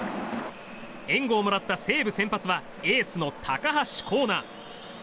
援護をもらった西武先発はエースの高橋光成。